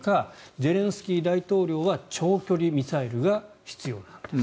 ゼレンスキー大統領は長距離ミサイルが必要だと言っています。